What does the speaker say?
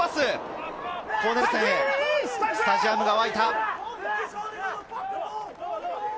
スタジアムが沸いた。